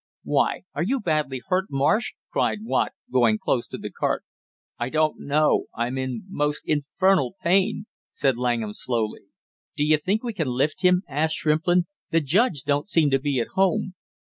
"Why are you badly hurt, Marsh?" cried Watt going close to the cart. "I don't know, I'm in most infernal pain," said Langham slowly. "Do you think we can lift him?" asked Shrimplin. "The judge don't seem to be at home."